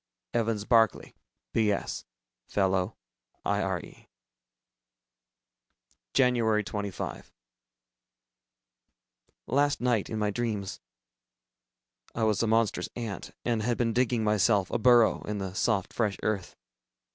EVANS BARCLAY, B.S. Fellow IRE. Jan. 25. Last night, in my dreams, I was a monstrous ant, and had been digging myself a burrow in the soft fresh earth.